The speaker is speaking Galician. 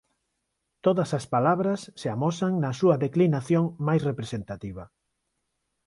Todas as palabras se amosan na súa declinación máis representativa.